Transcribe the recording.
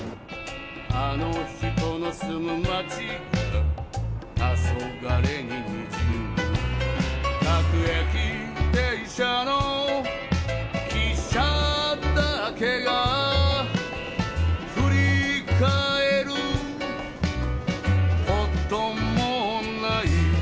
「あの女の住む街がたそがれに滲む」「各駅停車の汽車だけが」「振り返ることもない」